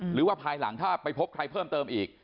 หรือว่าภายหลังถ้าไปพบใครเพิ่มเติมอีก